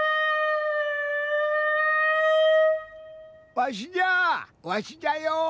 わしじゃわしじゃよ。